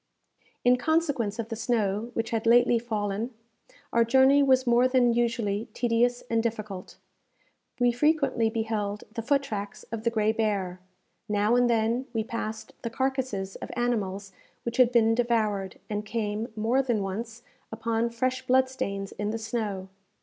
In consequence of the snow which had lately fallen, our journey was more than usually tedious and difficult. We frequently beheld the foot tracks of the gray bear. Now and then we passed the carcasses of animals which had been devoured, and came, more than once, upon fresh blood stains in the snow.